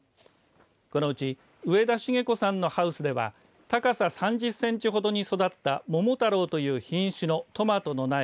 このうち上田茂子さんのハウスでは高さ３０センチほどに育った桃太郎という品種のトマトの苗